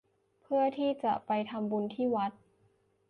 เพื่อที่จะไปทำบุญที่วัด